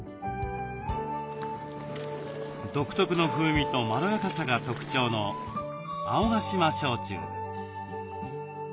独特の風味とまろやかさが特徴の青ヶ島焼酎。